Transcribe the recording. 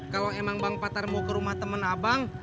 kalau emang bang patar mau ke rumah teman abang